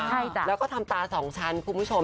ใช่จ้ะแล้วก็ทำตาสองชั้นคุณผู้ชม